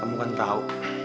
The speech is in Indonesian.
kamu kan tahu